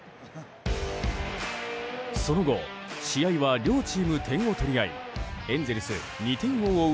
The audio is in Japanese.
その後、試合は両チーム、点を取り合いエンゼルス、２点を追う